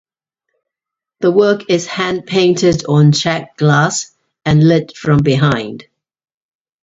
The work is hand painted on Czech glass and lit from behind.